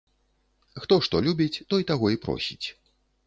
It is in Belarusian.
Хто што любіць, той таго і просіць.